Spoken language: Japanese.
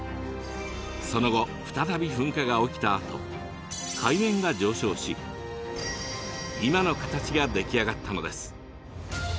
その後再び噴火が起きたあと海面が上昇し今の形が出来上がったのです。